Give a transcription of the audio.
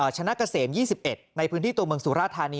ชนะเกษม๒๑ในพื้นที่ตัวเมืองสุราธานี